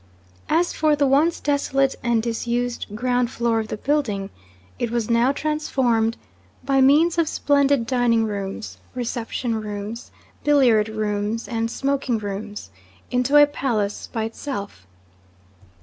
As for the once desolate and disused ground floor of the building, it was now transformed, by means of splendid dining rooms, reception rooms, billiard rooms, and smoking rooms, into a palace by itself.